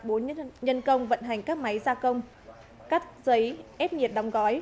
bố nhân công vận hành các máy gia công cắt giấy ép nhiệt đóng gói